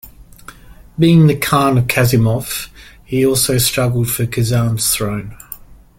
Being the khan of Kasimov, he also struggled for Kazan's throne.